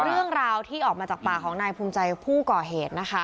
เรื่องราวที่ออกมาจากปากของนายภูมิใจผู้ก่อเหตุนะคะ